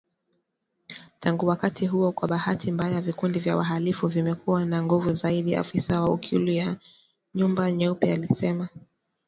Tangu wakati huo kwa bahati mbaya vikundi vya wahalifu vimekuwa na nguvu zaidi, afisa wa Ikulu ya Nyumba Nyeupe alisema